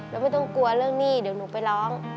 แล้วไม่ต้องกลัวเรื่องหนี้เดี๋ยวหนูไปร้อง